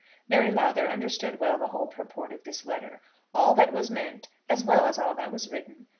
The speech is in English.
Mary Lowther understood well the whole purport of this letter, all that was meant as well as all that was written.